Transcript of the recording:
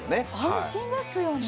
安心ですよね。